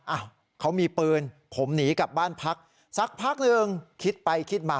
อ้าวเขามีปืนผมหนีกลับบ้านพักสักพักหนึ่งคิดไปคิดมา